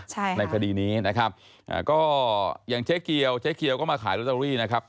ใช่ค่ะในคดีนี้นะครับอ่าก็อย่างเจ๊เกียวเจ๊เกียวก็มาขายลอตเตอรี่นะครับ